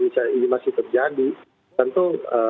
ini masih terjadi tentu